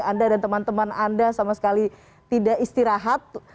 anda dan teman teman anda sama sekali tidak istirahat